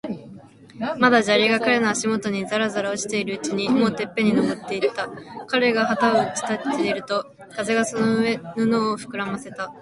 まだ砂利が彼の足もとにざらざら落ちているうちに、もうてっぺんに登っていた。彼が旗を打ち立てると、風がその布をふくらませた。